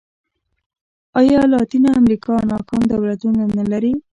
ایا لاتینه امریکا ناکام دولتونه نه لري.